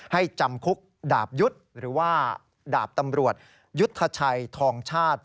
จำคุกดาบยุทธ์หรือว่าดาบตำรวจยุทธชัยทองชาติ